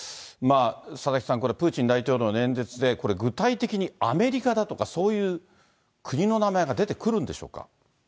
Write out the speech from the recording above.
佐々木さん、これ、プーチン大統領の演説で、これ、具体的にアメリカだとか、そういう国の名前が出てくるんでしょうか。